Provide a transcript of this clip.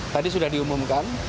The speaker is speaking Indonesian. tadi sudah diumumkan